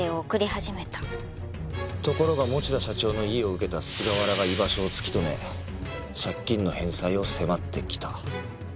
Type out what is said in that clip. ところが持田社長の意を受けた菅原が居場所を突き止め借金の返済を迫ってきた。